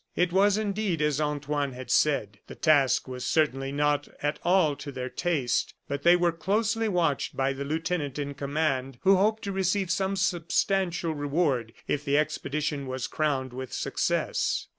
It was indeed as Antoine had said. The task was certainly not at all to their taste, but they were closely watched by the lieutenant in command, who hoped to receive some substantial reward if the expedition was crowned with success.